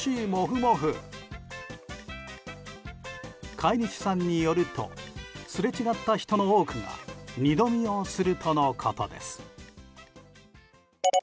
飼い主さんによるとすれ違った人の多くが２度見をするとのことです。